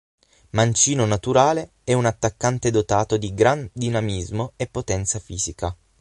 Mancino naturale, è un attaccante dotato di gran dinamismo e potenza fisica.